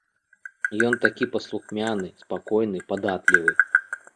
Ён такі паслухмяны, спакойны, падатлівы.